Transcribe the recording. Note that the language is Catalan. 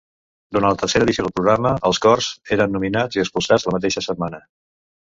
Durant la tercera edició del programa, els cors eren nominats i expulsats la mateixa setmana.